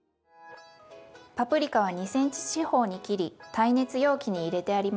パプリカは２ｃｍ四方に切り耐熱容器に入れてあります。